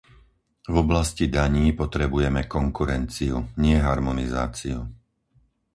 V oblasti daní potrebujeme konkurenciu, nie harmonizáciu.